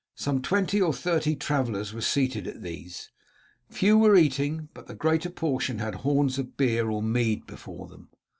Some twenty or thirty travellers were seated at these. Few were eating, but the greater portion had horns of beer or mead before them.